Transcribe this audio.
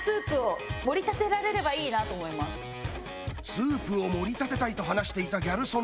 「スープを盛り立てたい」と話していたギャル曽根